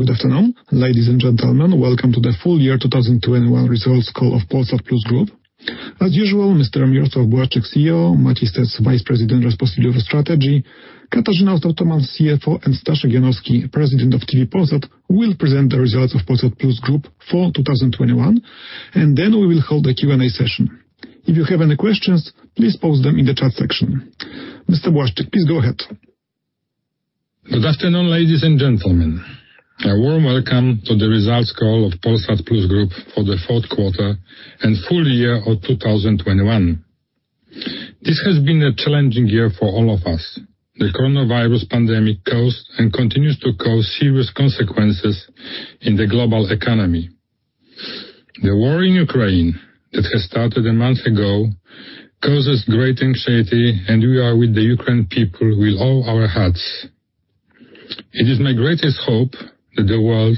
Good afternoon, ladies and gentlemen. Welcome to the Full-Year 2021 Results Call of Polsat Plus Group. As usual, Mr. Mirosław Błaszczyk, CEO, Maciej Stec, Vice President responsible for Strategy, Katarzyna Ostap-Tomann, CFO, and Stanisław Janowski, President of Telewizja Polsat, will present the results of Polsat Plus Group for 2021, and then we will hold a Q&A session. If you have any questions, please post them in the chat section. Mr. Błaszczyk, please go ahead. Good afternoon, ladies and gentlemen. A warm welcome to the results call of Polsat Plus Group for the fourth quarter and full year of 2021. This has been a challenging year for all of us. The coronavirus pandemic caused and continues to cause serious consequences in the global economy. The war in Ukraine that has started a month ago causes great anxiety, and we are with the Ukraine people with all our hearts. It is my greatest hope that the world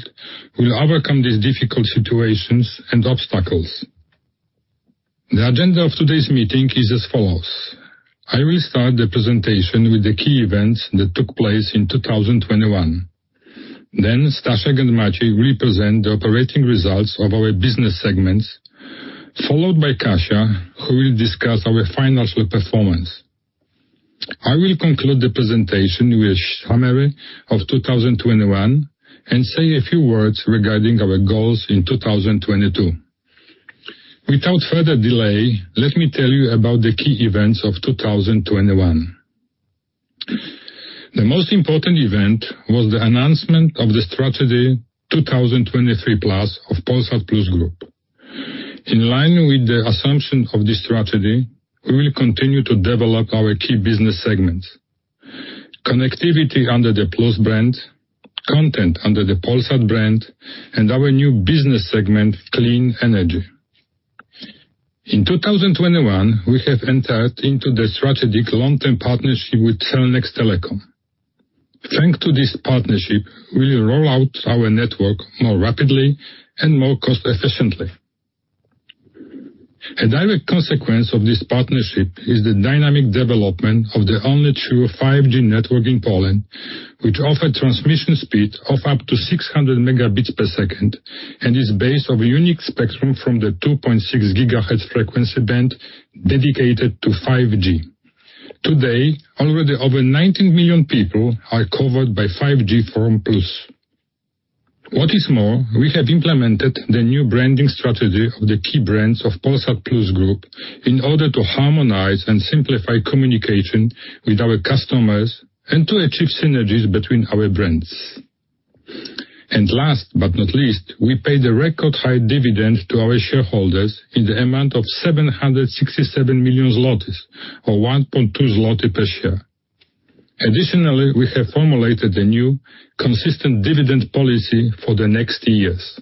will overcome these difficult situations and obstacles. The agenda of today's meeting is as follows. I will start the presentation with the key events that took place in 2021. Then Staszek and Maciej will present the operating results of our business segments, followed by Kasia, who will discuss our financial performance. I will conclude the presentation with summary of 2021 and say a few words regarding our goals in 2022. Without further delay, let me tell you about the key events of 2021. The most important event was the announcement of the Strategy 2023+ of Polsat Plus Group. In line with the assumption of this strategy, we will continue to develop our key business segments. Connectivity under the Plus brand, content under the Polsat brand, and our new business segment, Clean Energy. In 2021, we have entered into the strategic long-term partnership with Cellnex Telecom. Thanks to this partnership, we will roll out our network more rapidly and more cost efficiently. A direct consequence of this partnership is the dynamic development of the only true 5G network in Poland, which offer transmission speed of up to 600 Mbps and is based on unique spectrum from the 2.6 GHz frequency band dedicated to 5G. Today, already over 19 million people are covered by 5G from Plus. What is more, we have implemented the new branding strategy of the key brands of Polsat Plus Group in order to harmonize and simplify communication with our customers and to achieve synergies between our brands. Last but not least, we paid a record high dividend to our shareholders in the amount of 767 million zlotys or 1.2 zloty per share. Additionally, we have formulated a new consistent dividend policy for the next years.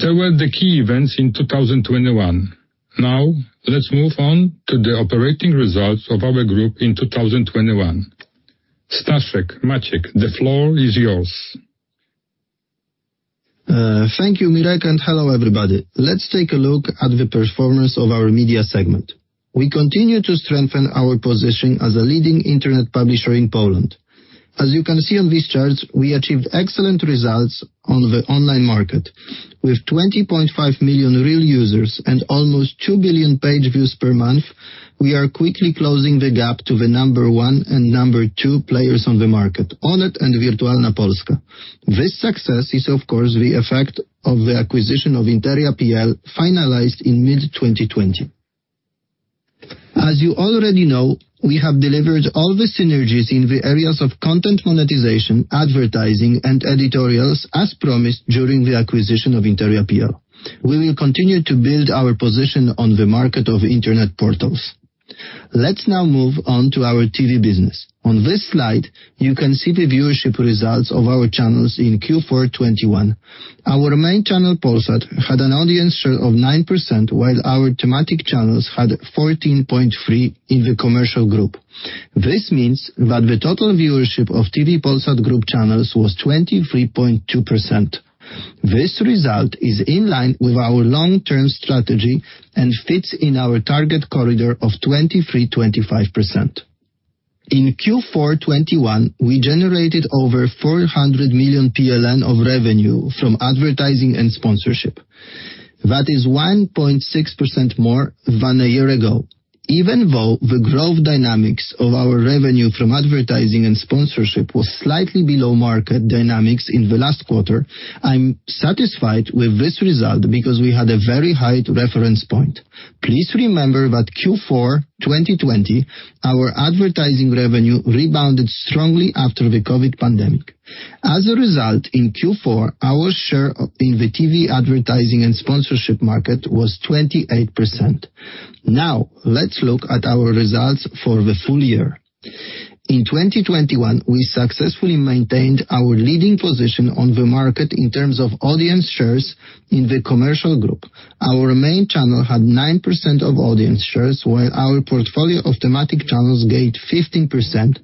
They were the key events in 2021. Now, let's move on to the operating results of our group in 2021. Staszek, Maciej, the floor is yours. Thank you, Mirek, and hello, everybody. Let's take a look at the performance of our Media segment. We continue to strengthen our position as a leading internet publisher in Poland. As you can see on these charts, we achieved excellent results on the online market. With 20.5 million real users and almost 2 billion page views per month, we are quickly closing the gap to the number one and number two players on the market, Onet and Wirtualna Polska. This success is of course the effect of the acquisition of Interia.pl, finalized in mid-2020. As you already know, we have delivered all the synergies in the areas of content monetization, advertising, and editorials as promised during the acquisition of Interia.pl. We will continue to build our position on the market of internet portals. Let's now move on to our TV business. On this slide, you can see the viewership results of our channels in Q4 2021. Our main channel, Polsat, had an audience share of 9%, while our thematic channels had 14.3% in the commercial group. This means that the total viewership of TV Polsat Group channels was 23.2%. This result is in line with our long-term strategy and fits in our target corridor of 23%-25%. In Q4 2021, we generated over 400 million of revenue from advertising and sponsorship. That is 1.6% more than a year ago. Even though the growth dynamics of our revenue from advertising and sponsorship was slightly below market dynamics in the last quarter, I'm satisfied with this result because we had a very high reference point. Please remember that Q4 2020, our advertising revenue rebounded strongly after the COVID pandemic. As a result, in Q4, our share in the TV advertising and sponsorship market was 28%. Now, let's look at our results for the full year. In 2021, we successfully maintained our leading position on the market in terms of audience shares in the commercial group. Our main channel had 9% of audience shares, while our portfolio of thematic channels gained 15%,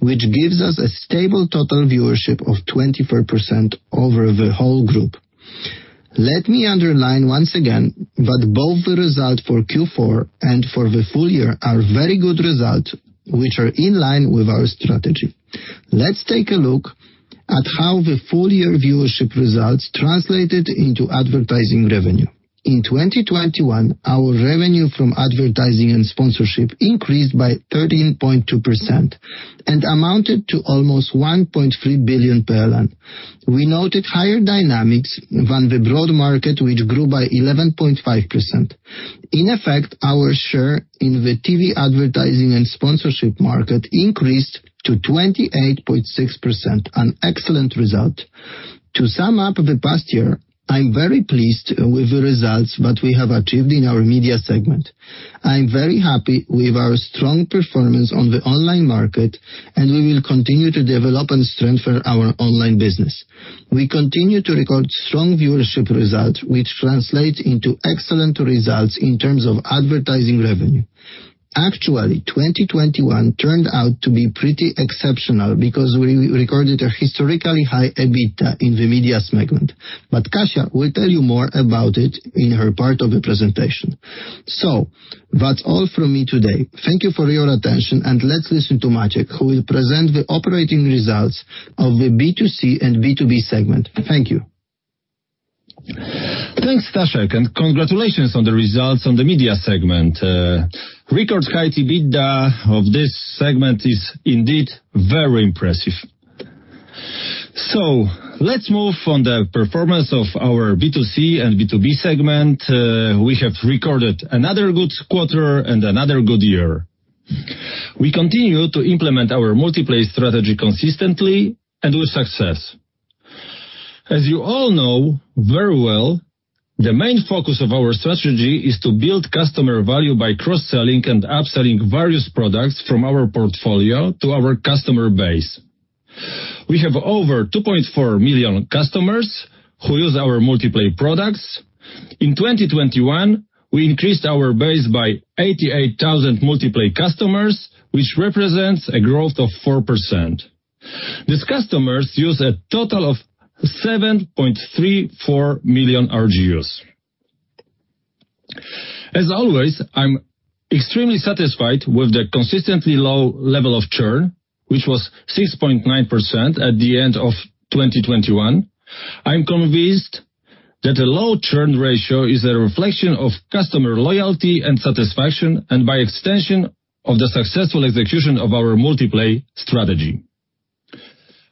which gives us a stable total viewership of 24% over the whole group. Let me underline once again that both the result for Q4 and for the full year are very good results, which are in line with our strategy. Let's take a look at how the full year viewership results translated into advertising revenue. In 2021, our revenue from advertising and sponsorship increased by 13.2% and amounted to almost 1.3 billion. We noted higher dynamics than the broad market, which grew by 11.5%. In effect, our share in the TV advertising and sponsorship market increased to 28.6%, an excellent result. To sum up the past year, I'm very pleased with the results that we have achieved in our media segment. I'm very happy with our strong performance on the online market, and we will continue to develop and strengthen our online business. We continue to record strong viewership results, which translates into excellent results in terms of advertising revenue. Actually, 2021 turned out to be pretty exceptional because we recorded a historically high EBITDA in the media segment. Kasia will tell you more about it in her part of the presentation. That's all from me today. Thank you for your attention, and let's listen to Maciej, who will present the operating results of the B2C and B2B segment. Thank you. Thanks, Staszek, and congratulations on the results in the media segment. Record high EBITDA of this segment is indeed very impressive. Let's move to the performance of our B2C and B2B segment. We have recorded another good quarter and another good year. We continue to implement our multi-play strategy consistently and with success. As you all know very well, the main focus of our strategy is to build customer value by cross-selling and upselling various products from our portfolio to our customer base. We have over 2.4 million customers who use our multi-play products. In 2021, we increased our base by 88,000 multi-play customers, which represents a growth of 4%. These customers use a total of 7.34 million RGUs. As always, I'm extremely satisfied with the consistently low level of churn, which was 6.9% at the end of 2021. I'm convinced that a low churn ratio is a reflection of customer loyalty and satisfaction, and by extension, of the successful execution of our multi-play strategy.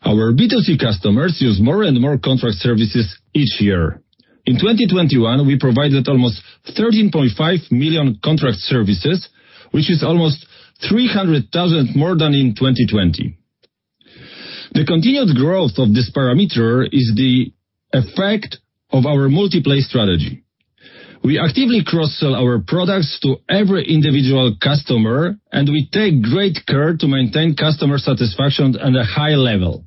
Our B2C customers use more and more contract services each year. In 2021, we provided almost 13.5 million contract services, which is almost 300,000 more than in 2020. The continued growth of this parameter is the effect of our multi-play strategy. We actively cross-sell our products to every individual customer, and we take great care to maintain customer satisfaction at a high level.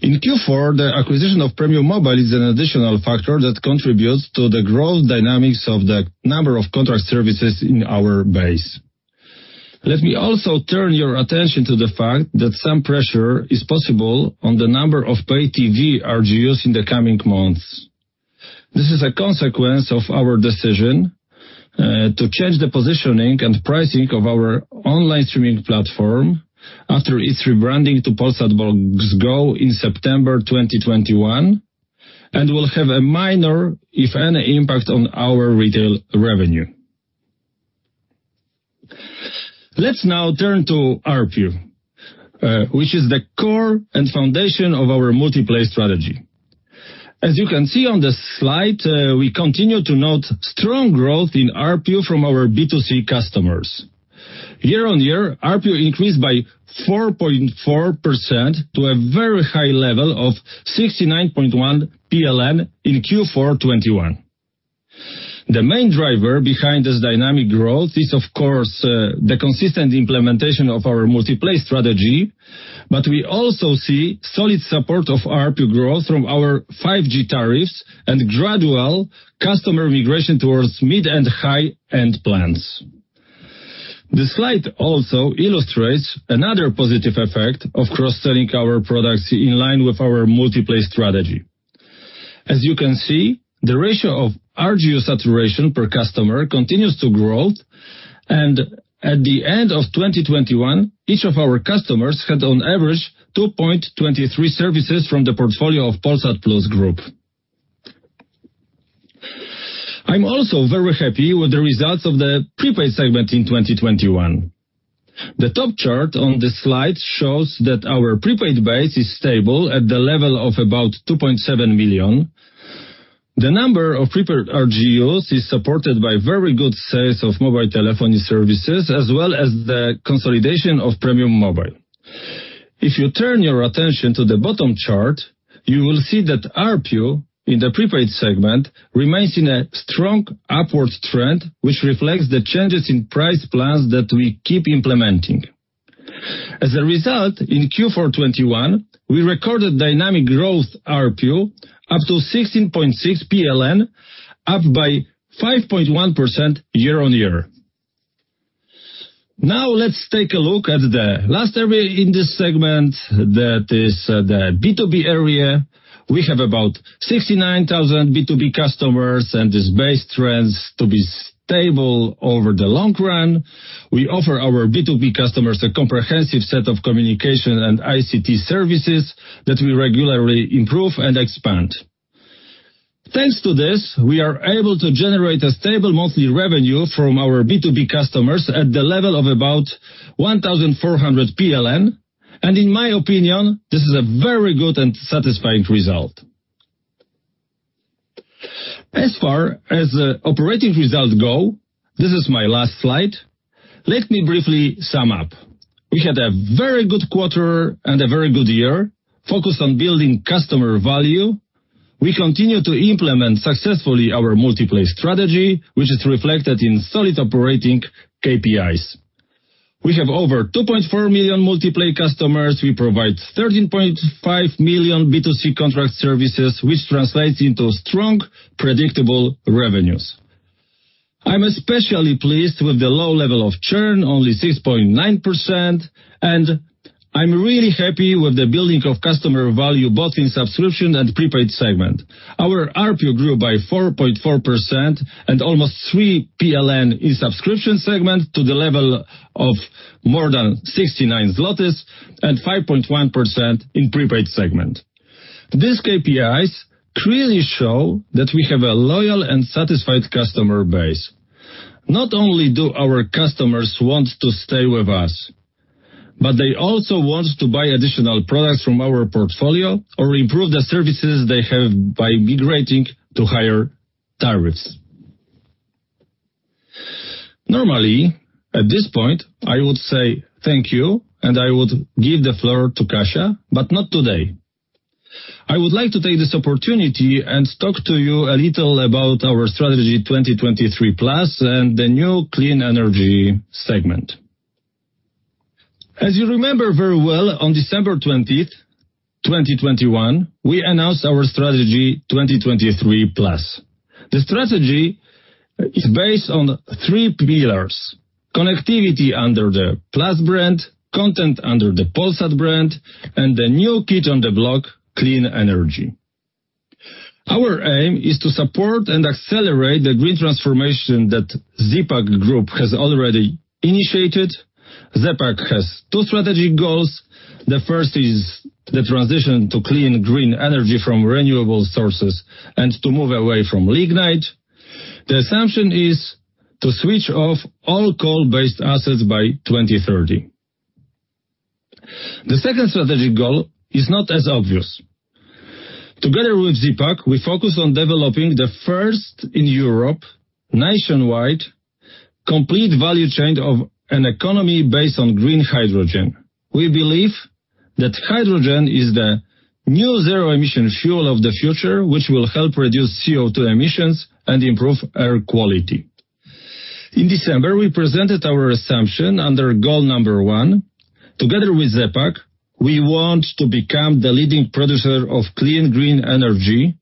In Q4, the acquisition of Premium Mobile is an additional factor that contributes to the growth dynamics of the number of contract services in our base. Let me also turn your attention to the fact that some pressure is possible on the number of pay TV RGUs in the coming months. This is a consequence of our decision to change the positioning and pricing of our online streaming platform after its rebranding to Polsat Box Go in September 2021, and will have a minor, if any, impact on our retail revenue. Let's now turn to ARPU, which is the core and foundation of our multi-play strategy. As you can see on the slide, we continue to note strong growth in ARPU from our B2C customers. Year-on-year, ARPU increased by 4.4% to a very high level of 69.1 PLN in Q4 2021. The main driver behind this dynamic growth is, of course, the consistent implementation of our multi-play strategy, but we also see solid support of ARPU growth from our 5G tariffs and gradual customer migration towards mid and high-end plans. The slide also illustrates another positive effect of cross-selling our products in line with our multi-play strategy. As you can see, the ratio of RGU saturation per customer continues to grow. At the end of 2021, each of our customers had on average 2.23 services from the portfolio of Polsat Plus Group. I'm also very happy with the results of the prepaid segment in 2021. The top chart on this slide shows that our prepaid base is stable at the level of about 2.7 million. The number of prepared RGUs is supported by very good sales of mobile telephony services as well as the consolidation of Premium Mobile. If you turn your attention to the bottom chart, you will see that ARPU in the prepaid segment remains in a strong upward trend, which reflects the changes in price plans that we keep implementing. As a result, in Q4 2021, we recorded dynamic growth ARPU up to 16.6 PLN, up by 5.1% year on year. Now let's take a look at the last area in this segment. That is the B2B area. We have about 69,000 B2B customers, and this base tends to be stable over the long run. We offer our B2B customers a comprehensive set of communication and ICT services that we regularly improve and expand. Thanks to this, we are able to generate a stable monthly revenue from our B2B customers at the level of about 1,400 PLN. In my opinion, this is a very good and satisfying result. As far as operating results go, this is my last slide. Let me briefly sum up. We had a very good quarter and a very good year focused on building customer value. We continue to implement successfully our multi-play strategy, which is reflected in solid operating KPIs. We have over 2.4 million multi-play customers. We provide 13.5 million B2C contract services, which translates into strong, predictable revenues. I'm especially pleased with the low level of churn, only 6.9%, and I'm really happy with the building of customer value, both in subscription and prepaid segment. Our RPO grew by 4.4% and almost 3 PLN in subscription segment to the level of more than 69 zlotys and 5.1% in Prepaid segment. These KPIs clearly show that we have a loyal and satisfied customer base. Not only do our customers want to stay with us, but they also want to buy additional products from our portfolio or improve the services they have by migrating to higher tariffs. Normally, at this point, I would say thank you and I would give the floor to Kasia, but not today. I would like to take this opportunity and talk to you a little about our Strategy 2023+ and the new Clean Energy segment. As you remember very well, on December 20, 2021, we announced our strategy 2023+. The strategy is based on three pillars: Connectivity under the Plus brand, Content under the Polsat brand, and the new kid on the block, Clean Energy. Our aim is to support and accelerate the green transformation that ZE PAK Group has already initiated. ZE PAK has two strategic goals. The first is the transition to clean green energy from renewable sources and to move away from lignite. The assumption is to switch off all coal-based assets by 2030. The second strategic goal is not as obvious. Together with ZE PAK, we focus on developing the first in Europe nationwide complete value chain of an economy based on green hydrogen. We believe that hydrogen is the new zero-emission fuel of the future, which will help reduce CO₂ emissions and improve air quality. In December, we presented our assumption under goal number one. Together with ZE PAK, we want to become the leading producer of clean green energy,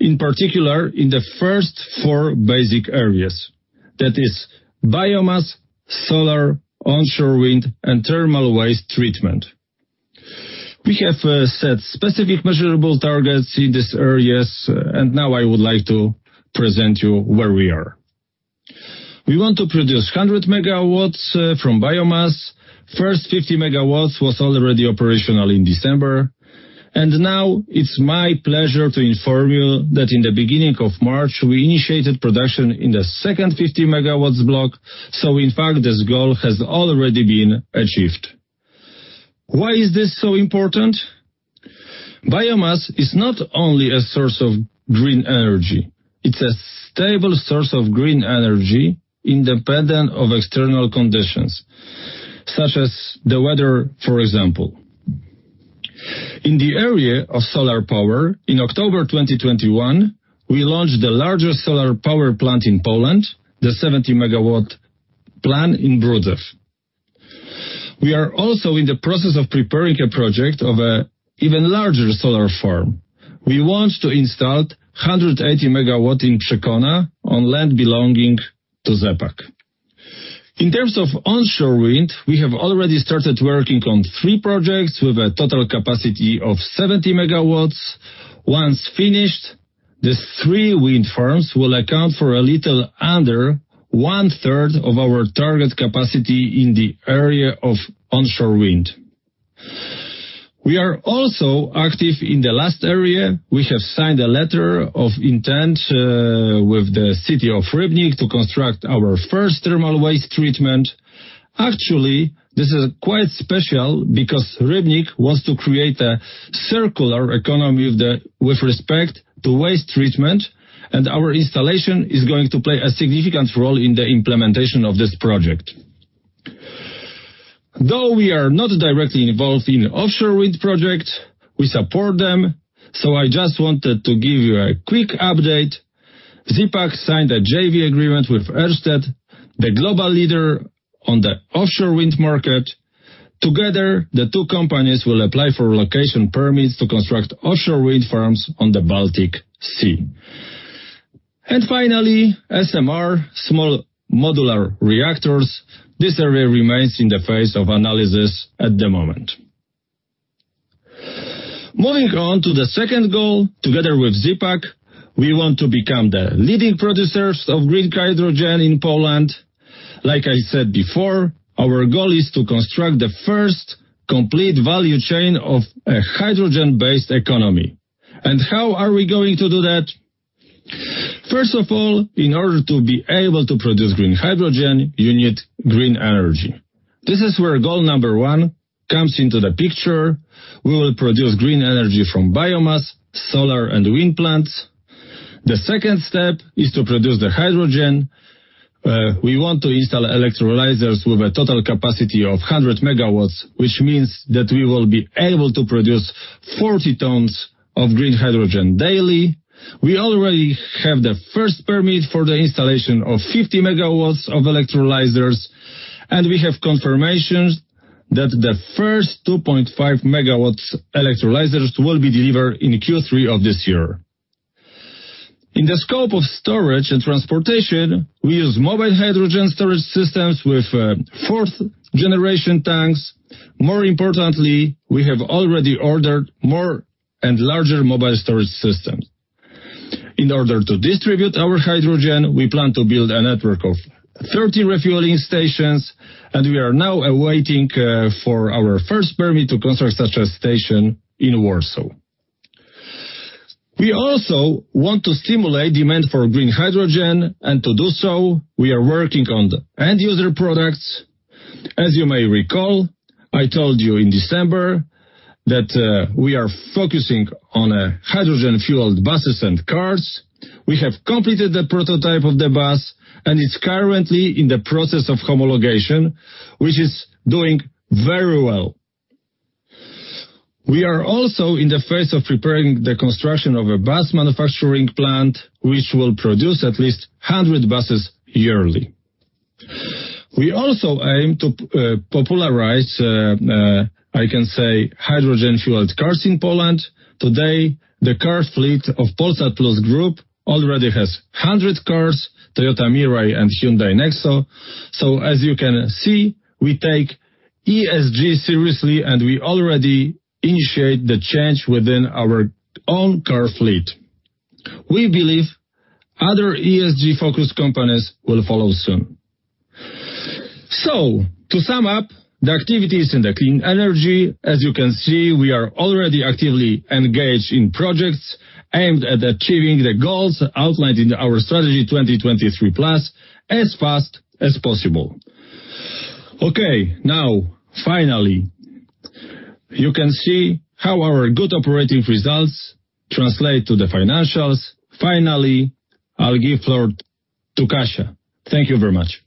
in particular in the first four basic areas. That is biomass, solar, onshore wind, and thermal waste treatment. We have set specific measurable targets in these areas, and now I would like to present you where we are. We want to produce 100 MW from biomass. First 50 MW was already operational in December, and now it's my pleasure to inform you that in the beginning of March we initiated production in the second 50 MW block. In fact, this goal has already been achieved. Why is this so important? Biomass is not only a source of green energy, it's a stable source of green energy, independent of external conditions, such as the weather, for example. In the area of solar power, in October 2021, we launched the largest solar power plant in Poland, the 70 MW plant in Brudzew. We are also in the process of preparing a project of an even larger solar farm. We want to install 180 MW in Przykona on land belonging to ZE PAK. In terms of onshore wind, we have already started working on three projects with a total capacity of 70 MW. Once finished, these three wind farms will account for a little under one-third of our target capacity in the area of onshore wind. We are also active in the last area. We have signed a letter of intent with the city of Rybnik to construct our first thermal waste treatment. Actually, this is quite special because Rybnik wants to create a circular economy with respect to waste treatment, and our installation is going to play a significant role in the implementation of this project. Though we are not directly involved in offshore wind projects, we support them. I just wanted to give you a quick update. ZE PAK signed a JV agreement with Ørsted, the global leader on the offshore wind market. Together, the two companies will apply for location permits to construct offshore wind farms on the Baltic Sea. Finally, SMR, small modular reactors. This area remains in the phase of analysis at the moment. Moving on to the second goal, together with ZE PAK, we want to become the leading producers of green hydrogen in Poland. Like I said before, our goal is to construct the first complete value chain of a hydrogen-based economy. How are we going to do that? First of all, in order to be able to produce green hydrogen, you need green energy. This is where goal number one comes into the picture. We will produce green energy from biomass, solar and wind plants. The second step is to produce the hydrogen. We want to install electrolyzers with a total capacity of 100 MW, which means that we will be able to produce 40 tons of green hydrogen daily. We already have the first permit for the installation of 50 MW of electrolyzers, and we have confirmations that the first 2.5 MW electrolyzers will be delivered in Q3 of this year. In the scope of storage and transportation, we use mobile hydrogen storage systems with fourth generation tanks. More importantly, we have already ordered more and larger mobile storage systems. In order to distribute our hydrogen, we plan to build a network of 30 refueling stations, and we are now awaiting for our first permit to construct such a station in Warsaw. We also want to stimulate demand for green hydrogen, and to do so, we are working on the end user products. As you may recall, I told you in December that we are focusing on hydrogen-fueled buses and cars. We have completed the prototype of the bus, and it's currently in the process of homologation, which is doing very well. We are also in the phase of preparing the construction of a bus manufacturing plant, which will produce at least 100 buses yearly. We also aim to popularize, I can say, hydrogen-fueled cars in Poland. Today, the car fleet of Polsat Plus Group already has 100 cars, Toyota Mirai and Hyundai NEXO. As you can see, we take ESG seriously, and we already initiate the change within our own car fleet. We believe other ESG-focused companies will follow soon. To sum up the activities in the Clean Energy, as you can see, we are already actively engaged in projects aimed at achieving the goals outlined in our Strategy 2023+ as fast as possible. Okay. Now, finally, you can see how our good operating results translate to the financials. Finally, I'll give floor to Kasia. Thank you very much.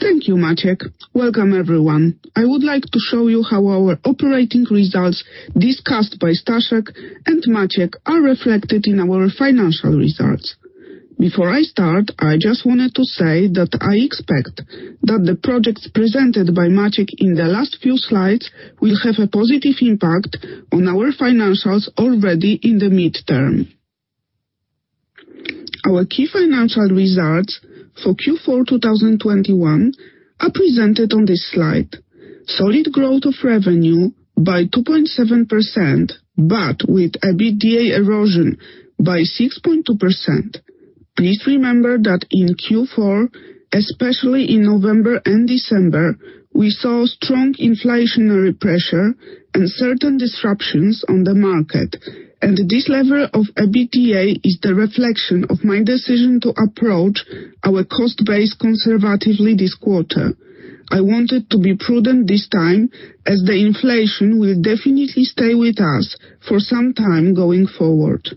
Thank you, Maciej. Welcome, everyone. I would like to show you how our operating results discussed by Staszek and Maciej are reflected in our financial results. Before I start, I just wanted to say that I expect that the projects presented by Maciej in the last few slides will have a positive impact on our financials already in the midterm. Our key financial results for Q4 2021 are presented on this slide. Solid growth of revenue by 2.7%, but with a EBITDA erosion by 6.2%. Please remember that in Q4, especially in November and December, we saw strong inflationary pressure and certain disruptions on the market. This level of EBITDA is the reflection of my decision to approach our cost base conservatively this quarter. I wanted to be prudent this time, as the inflation will definitely stay with us for some time going forward.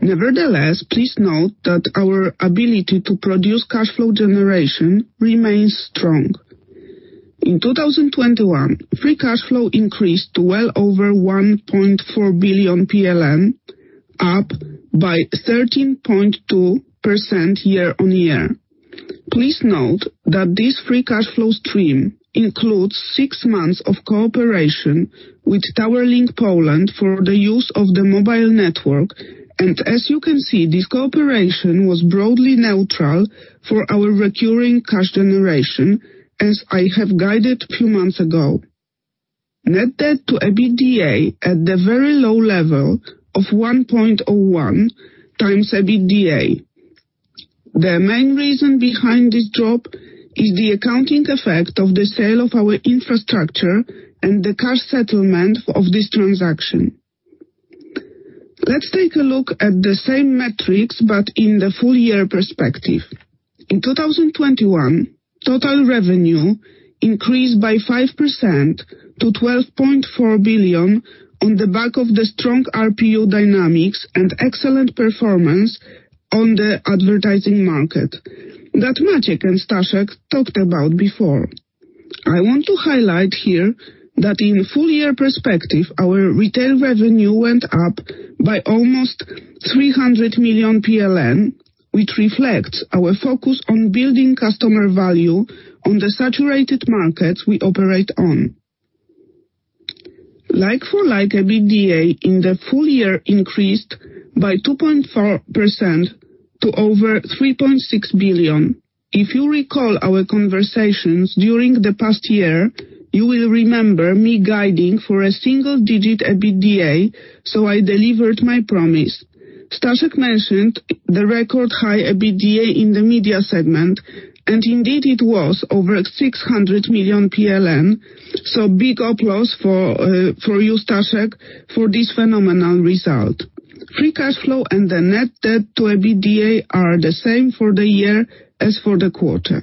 Nevertheless, please note that our ability to produce cash flow generation remains strong. In 2021, free cash flow increased to well over 1.4 billion, up by 13.2% year-on-year. Please note that this free cash flow stream includes six months of cooperation with Towerlink Poland for the use of the mobile network. As you can see, this cooperation was broadly neutral for our recurring cash generation, as I have guided a few months ago. Net debt to EBITDA at the very low level of 1.01x EBITDA. The main reason behind this drop is the accounting effect of the sale of our infrastructure and the cash settlement of this transaction. Let's take a look at the same metrics, but in the full-year perspective. In 2021, total revenue increased by 5% to 12.4 billion on the back of the strong ARPU dynamics and excellent performance on the advertising market that Maciej and Staszek talked about before. I want to highlight here that in full year perspective, our retail revenue went up by almost 300 million PLN, which reflects our focus on building customer value on the saturated markets we operate on. Like for like, EBITDA in the full year increased by 2.4% to over 3.6 billion. If you recall our conversations during the past year, you will remember me guiding for a single digit EBITDA, so I delivered my promise. Staszek mentioned the record high EBITDA in the Media segment, and indeed it was over 600 million PLN. Big applause for you, Staszek, for this phenomenal result. Free cash flow and the net debt to EBITDA are the same for the year as for the quarter.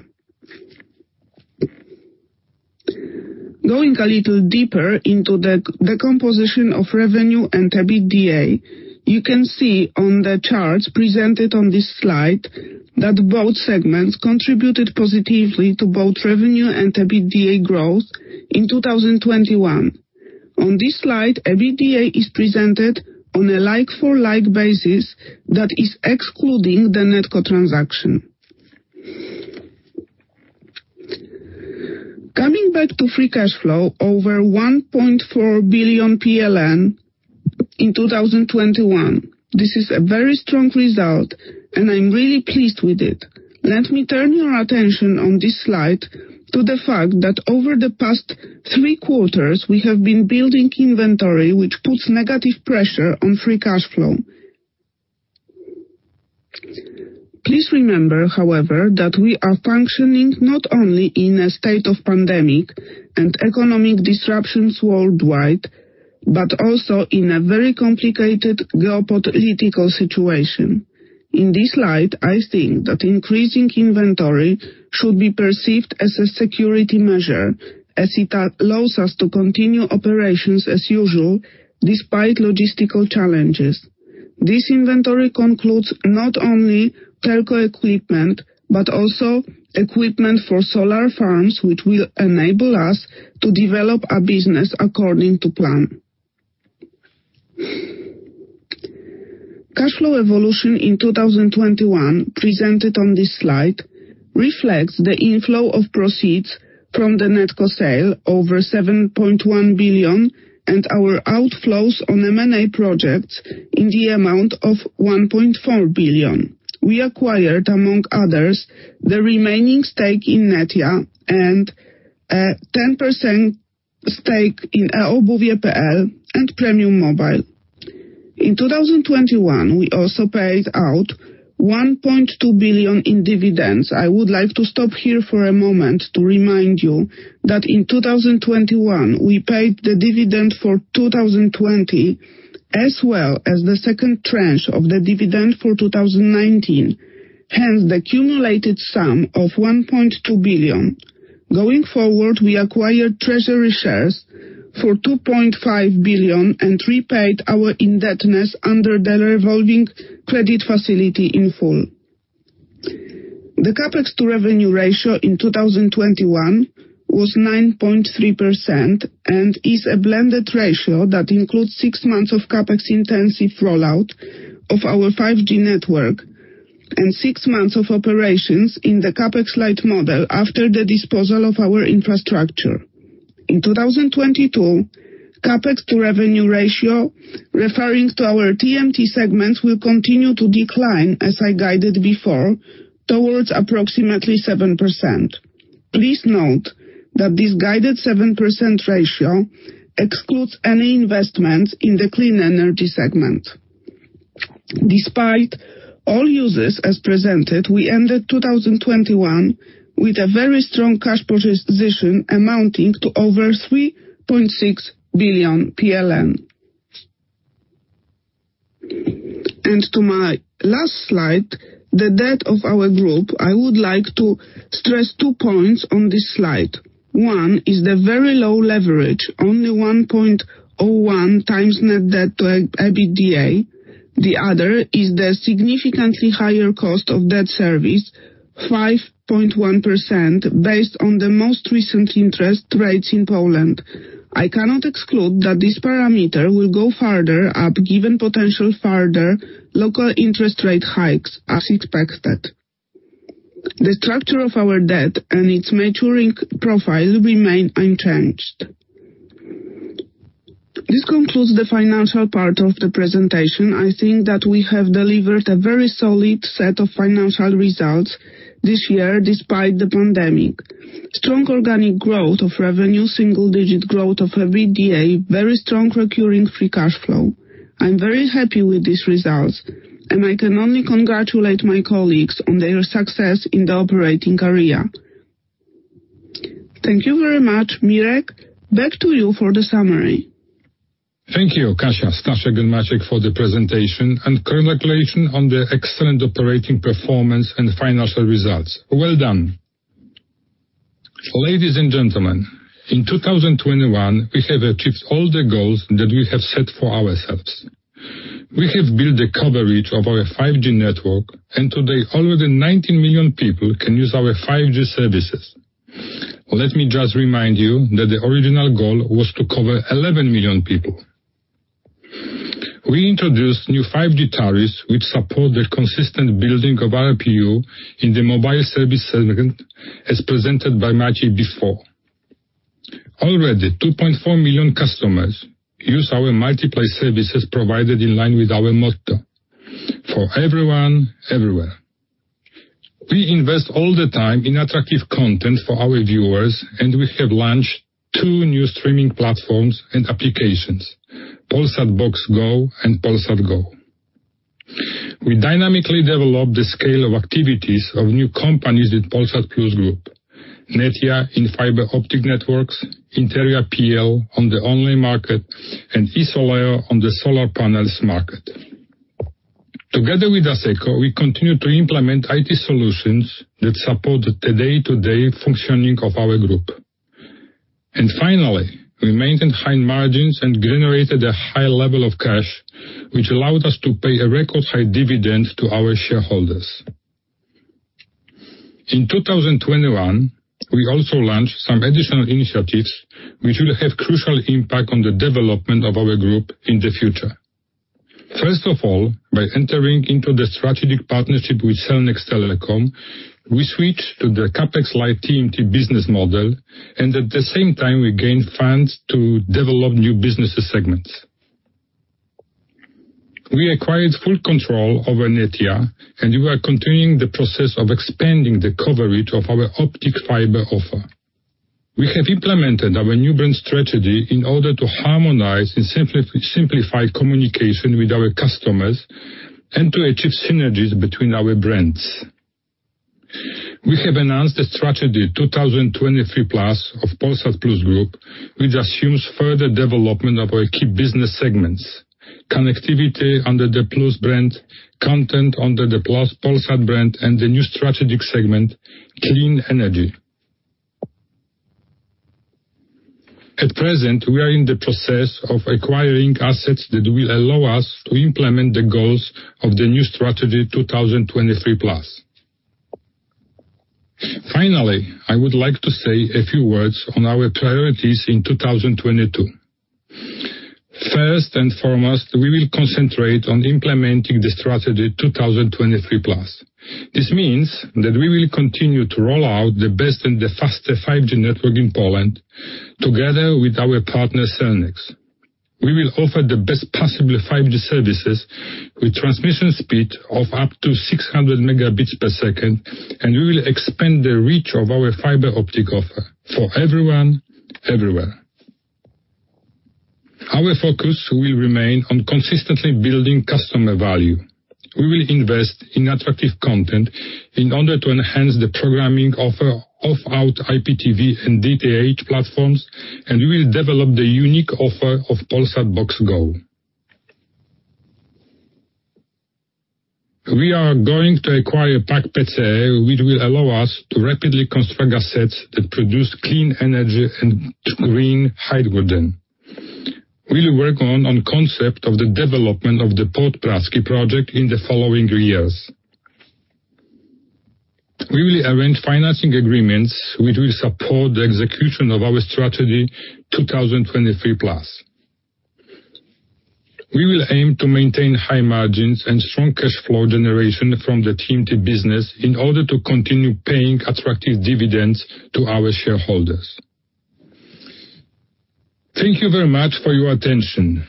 Going a little deeper into the composition of revenue and EBITDA, you can see on the charts presented on this slide that both segments contributed positively to both revenue and EBITDA growth in 2021. On this slide, EBITDA is presented on a like for like basis that is excluding the NetCo transaction. Coming back to free cash flow, over 1.4 billion PLN in 2021. This is a very strong result, and I'm really pleased with it. Let me turn your attention on this slide to the fact that over the past three quarters we have been building inventory, which puts negative pressure on free cash flow. Please remember, however, that we are functioning not only in a state of pandemic and economic disruptions worldwide, but also in a very complicated geopolitical situation. In this light, I think that increasing inventory should be perceived as a security measure as it allows us to continue operations as usual despite logistical challenges. This inventory includes not only telco equipment, but also equipment for solar farms, which will enable us to develop our business according to plan. Cash flow evolution in 2021 presented on this slide reflects the inflow of proceeds from the NetCo sale over 7.1 billion and our outflows on M&A projects in the amount of 1.4 billion. We acquired, among others, the remaining stake in Netia and a 10% stake in eobuwie.pl and Premium Mobile. In 2021, we also paid out 1.2 billion in dividends. I would like to stop here for a moment to remind you that in 2021, we paid the dividend for 2020, as well as the second tranche of the dividend for 2019. Hence, the cumulative sum of 1.2 billion. Going forward, we acquired treasury shares for 2.5 billion and repaid our indebtedness under the revolving credit facility in full. The CapEx to revenue ratio in 2021 was 9.3% and is a blended ratio that includes six months of CapEx intensive rollout of our 5G network and six months of operations in the CapEx light model after the disposal of our infrastructure. In 2022, CapEx to revenue ratio referring to our TMT segments will continue to decline as I guided before, towards approximately 7%. Please note that this guided 7% ratio excludes any investments in the Clean Energy segment. Despite all uses as presented, we ended 2021 with a very strong cash position amounting to over 3.6 billion PLN. To my last slide, the debt of our group, I would like to stress two points on this slide. One is the very low leverage, only 1.01x net debt to EBITDA. The other is the significantly higher cost of debt service, 5.1% based on the most recent interest rates in Poland. I cannot exclude that this parameter will go further up given potential further local interest rate hikes as expected. The structure of our debt and its maturing profile remain unchanged. This concludes the financial part of the presentation. I think that we have delivered a very solid set of financial results this year despite the pandemic. Strong organic growth of revenue, single digit growth of EBITDA, very strong recurring free cash flow. I'm very happy with these results, and I can only congratulate my colleagues on their success in the operating area. Thank you very much. Mirek, back to you for the summary. Thank you, Kasia, Staszek, and Maciej for the presentation, and congratulations on the excellent operating performance and financial results. Well done. Ladies and gentlemen, in 2021, we have achieved all the goals that we have set for ourselves. We have built the coverage of our 5G network, and today already 19 million people can use our 5G services. Let me just remind you that the original goal was to cover 11 million people. We introduced new 5G tariffs which support the consistent building of our ARPU in the Mobile Service segment as presented by Maciej before. Already 2.4 million customers use our multi-play services provided in line with our motto, "For everyone, everywhere." We invest all the time in attractive content for our viewers, and we have launched two new streaming platforms and applications, Polsat Box Go and Polsat Go. We dynamically develop the scale of activities of new companies with Polsat Plus Group, Netia in fiber optic networks, Interia.pl on the online market, and Esoleo on the solar panels market. Together with Asseco, we continue to implement IT solutions that support the day-to-day functioning of our group. Finally, we maintained high margins and generated a high level of cash, which allowed us to pay a record high dividend to our shareholders. In 2021, we also launched some additional initiatives which will have crucial impact on the development of our group in the future. First of all, by entering into the strategic partnership with Cellnex Telecom, we switched to the CapEx-light TMT business model, and at the same time, we gained funds to develop new businesses segments. We acquired full control over Netia, and we are continuing the process of expanding the coverage of our optic fiber offer. We have implemented our new brand strategy in order to harmonize and simplify communication with our customers and to achieve synergies between our brands. We have announced the strategy 2023+ of Polsat Plus Group, which assumes further development of our key business segments, Connectivity under the Plus brand, Content under the Plus Polsat brand, and the new strategic segment, Clean Energy. At present, we are in the process of acquiring assets that will allow us to implement the goals of the new strategy, 2023+. Finally, I would like to say a few words on our priorities in 2022. First and foremost, we will concentrate on implementing the strategy, 2023+. This means that we will continue to roll out the best and the fastest 5G network in Poland together with our partner, Cellnex. We will offer the best possible 5G services with transmission speed of up to 600 Mbps, and we will expand the reach of our fiber optic offer for everyone, everywhere. Our focus will remain on consistently building customer value. We will invest in attractive content in order to enhance the programming offer of our IPTV and DTH platforms, and we will develop the unique offer of Polsat Box Go. We are going to acquire ZE PAK, which will allow us to rapidly construct assets that produce clean energy and green hydrogen. We'll work on concept of the development of the Port Praski project in the following years. We will arrange financing agreements which will support the execution of our Strategy 2023+. We will aim to maintain high margins and strong cash flow generation from the TMT business in order to continue paying attractive dividends to our shareholders. Thank you very much for your attention.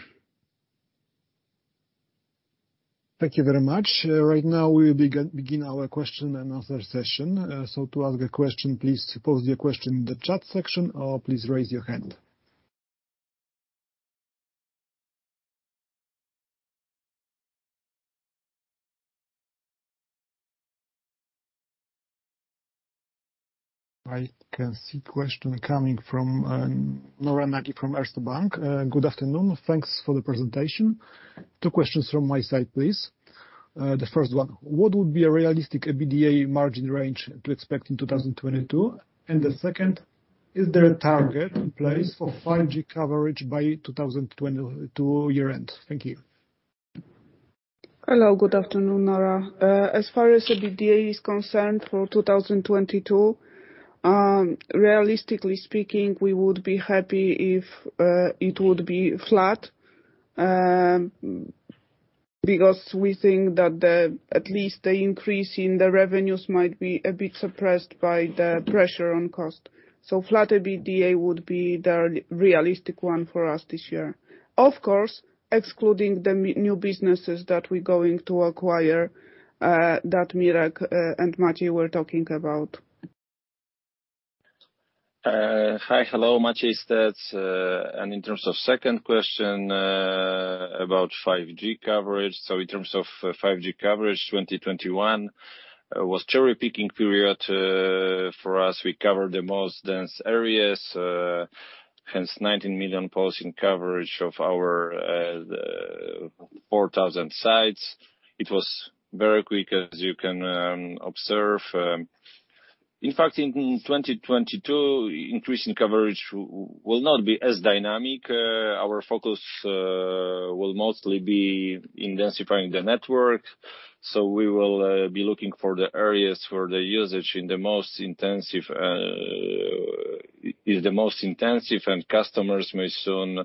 Thank you very much. Right now we will begin our question-and-answer session. To ask a question, please pose your question in the chat section or please raise your hand. I can see question coming from Nora Nagy from Erste Group. Good afternoon. Thanks for the presentation. Two questions from my side, please. The first one, what would be a realistic EBITDA margin range to expect in 2022? The second, is there a target in place for 5G coverage by 2022 year end? Thank you. Hello, good afternoon, Nora. As far as EBITDA is concerned for 2022, realistically speaking, we would be happy if it would be flat, because we think that at least the increase in the revenues might be a bit suppressed by the pressure on cost. Flat EBITDA would be the realistic one for us this year. Of course, excluding the new businesses that we're going to acquire, that Mirek and Maciej were talking about. Hi, hello. Maciej here. In terms of second question, about 5G coverage. In terms of 5G coverage, 2021 was cherry-picking period for us. We covered the most dense areas, hence 19 million people in coverage of our 4,000 sites. It was very quick as you can observe. In fact, in 2022, increase in coverage will not be as dynamic. Our focus will mostly be intensifying the network. We will be looking for the areas where the usage is the most intensive, and customers may soon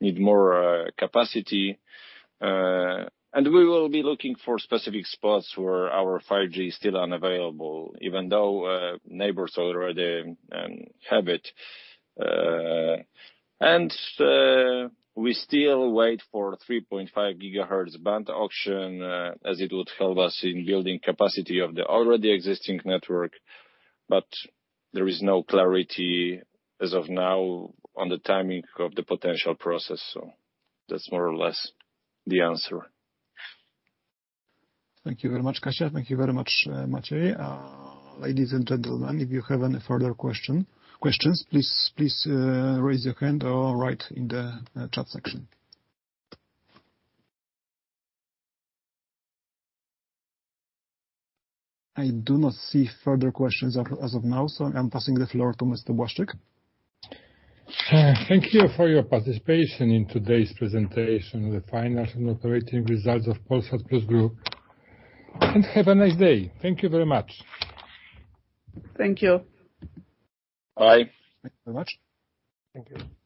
need more capacity. We will be looking for specific spots where our 5G is still unavailable, even though neighbors already have it. We still wait for 3.5 GHz band auction, as it would help us in building capacity of the already existing network. There is no clarity as of now on the timing of the potential process. That's more or less the answer. Thank you very much, Kasia. Thank you very much, Maciej. Ladies and gentlemen, if you have any further questions, please raise your hand or write in the chat section. I do not see further questions as of now, so I'm passing the floor to Mr. Błaszczyk. Thank you for your participation in today's presentation, the financial and operating results of Polsat Plus Group. Have a nice day. Thank you very much. Thank you. Bye. Thank you very much. Thank you.